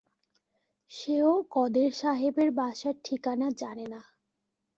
সেও কদের সাহেবের বাসার ঠিকানা জানে না।